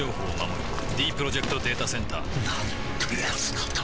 ディープロジェクト・データセンターなんてやつなんだ